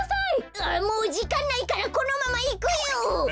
あもうじかんないからこのままいくよ！